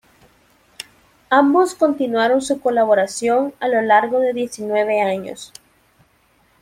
Ambos continuaron su colaboración a lo largo de diecinueve años.